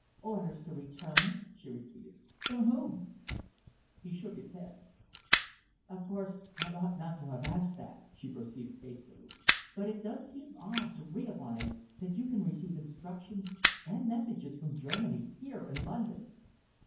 "Orders to return?" she repeated. "From whom?" He shook his head. "Of course, I ought not to have asked that," she proceeded hastily, "but it does seem odd to realise that you can receive instructions and messages from Germany, here in London."